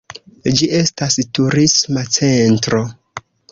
Ĝi estas turisma centro.